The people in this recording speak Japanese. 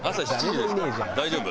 大丈夫？